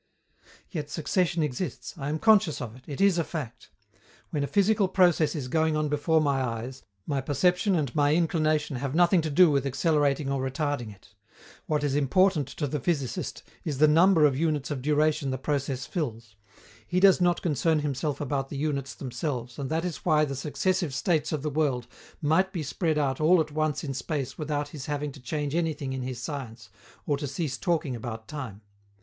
Yet succession exists; I am conscious of it; it is a fact. When a physical process is going on before my eyes, my perception and my inclination have nothing to do with accelerating or retarding it. What is important to the physicist is the number of units of duration the process fills; he does not concern himself about the units themselves and that is why the successive states of the world might be spread out all at once in space without his having to change anything in his science or to cease talking about time.